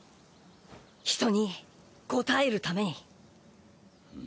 人に応えるために。